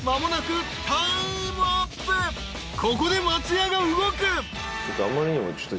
［ここで松也が動く］